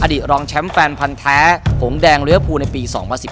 รองแชมป์แฟนพันธ์แท้หงแดงเลื้อภูในปี๒๐๑๘